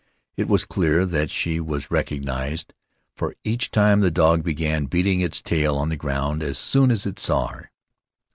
It was clear that she was recognized, for each time the dog began beating its tail on the ground as soon as it saw her.